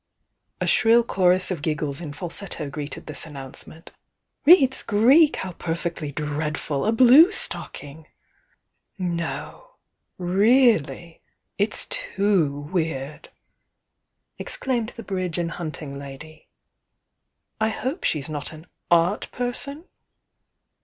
A shrill chorus of giggles in falsetto greeted this announcement. "Reads Greek! How perfectly dreadful! A blue stocking!" "No! Really! It's too weird! exclamied the bridge and hunting lady. "I hope she's not an 'art' person?"